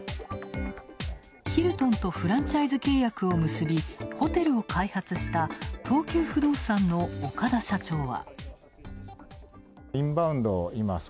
ヒルトンとフランチャイズ契約を結びホテルを開発した東急不動産の岡田社長は。